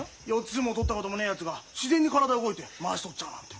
相撲取ったこともねえやつが自然に体が動いてまわし取っちゃうなんて。